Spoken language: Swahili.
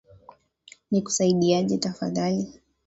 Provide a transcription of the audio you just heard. Nikusaidieje tafadhali?